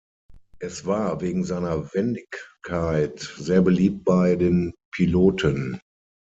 Es war wegen seiner Wendigkeit sehr beliebt bei den Piloten.